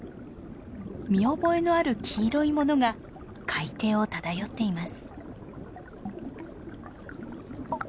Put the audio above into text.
見覚えのある黄色いものが海底を漂っています。